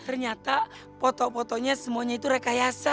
ternyata foto foto itu semuanya itu rekayasa